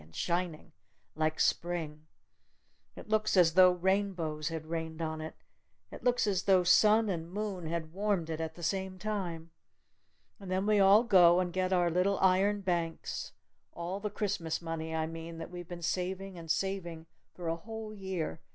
And shining! Like Spring! It looks as tho rainbows had rained on it! It looks as tho sun and moon had warmed it at the same time! And then we all go and get our little iron banks all the Christmas money, I mean, that we've been saving and saving for a whole year!